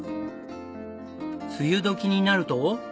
梅雨時になると。